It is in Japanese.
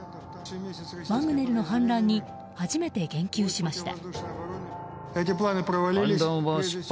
ワグネルの反乱に初めて言及しました。